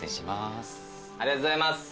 ありがとうございます。